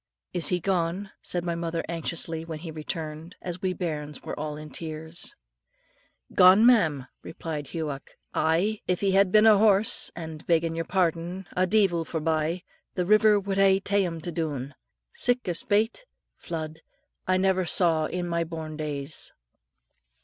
"Is he gone?" said my mother anxiously, when he returned. And we bairns were all in tears. "Gone, ma'am?" replied Hughoc; "aye, if he had been a horse, and, beggin' your pardon, a deevil forbye, the river would hae ta'en him doon, sic a spate (flood) I never saw in my born days."